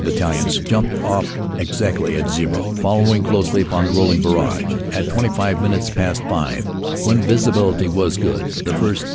Battalions jumped off exactly at "zero," following closely upon the rolling barrage. At twenty five minutes past five, when visibility was good, the 1st.